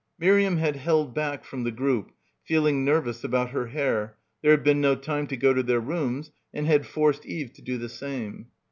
Miriam had held back from the group, feeling nervous about her hair, there had been no time to go to their rooms, and had forced Eve to do the same.